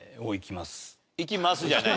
「いきます」じゃない。